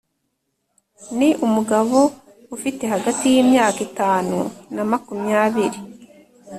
Ni umugabo ufite hagati y’imyaka itanu na makumyabiri